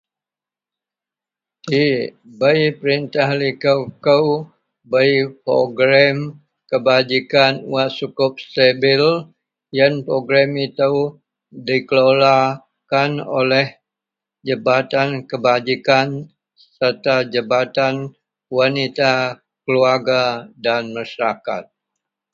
Yiek bei peritah liko kou bei progrem kebajikan wak sukup stabil iyen progrem ito dikelola jabatan kebajikan serta jabatan kebajikan wanita keluarga dan masarakat.